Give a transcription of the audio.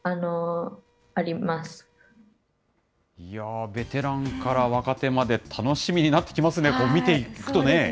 いやー、ベテランから若手まで、楽しみになってきますね、見ていくとね。